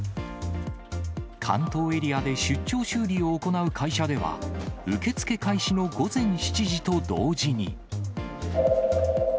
関東エリアで出張修理を行う会社では、受け付け開始の午前７時と同時に。